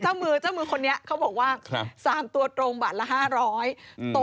อ่ะงั้นเจ้ามือคนนี้เขาบอกว่า๓ตัวตรงบาทละ๕๐๐บาท